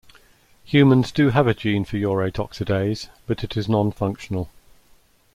Humans do have a gene for urate oxidase, but it is nonfunctional.